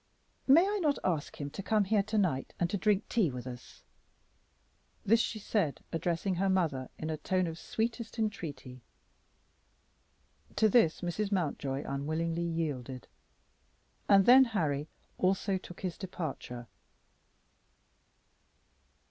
May I not ask him to come here to night and to drink tea with us?" This she said, addressing her mother in a tone of sweetest entreaty. To this Mrs. Mountjoy unwillingly yielded, and then Harry also took his departure.